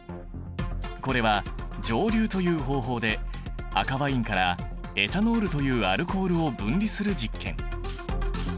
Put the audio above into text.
これは蒸留という方法で赤ワインからエタノールというアルコールを分離する実験。